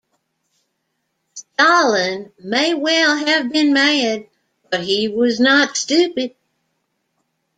Stalin may well have been mad but he was not stupid.